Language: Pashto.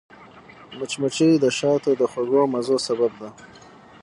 مچمچۍ د شاتو د خوږو مزو سبب ده